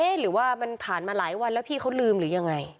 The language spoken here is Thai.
หรือว่ามันผ่านมาหลายวันแล้วพี่เขาลืมหรือยังไง